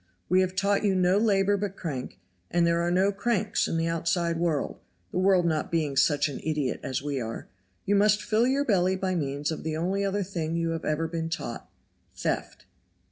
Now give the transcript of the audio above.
We have taught you no labor but crank, and as there are no cranks in the outside world, the world not being such an idiot as we are, you must fill your belly by means of the only other thing you have ever been taught theft."